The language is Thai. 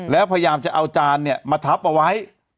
แล้วพยายามจะเอาจานมาทับเอาไว้